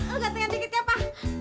lu gak tinggal dikit ya pak